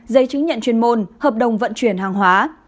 giấy chứng nhận chuyên môn hợp đồng vận chuyển hàng hóa